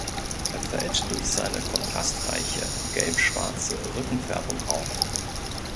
Er fällt durch seine kontrastreiche, gelb schwarze Rückenfärbung auf.